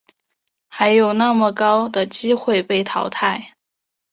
还有那么高的机会被淘汰